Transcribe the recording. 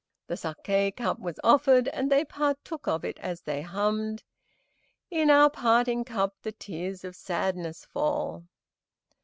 The saké cup was offered, and they partook of it as they hummed, "In our parting cup, the tears of sadness fall."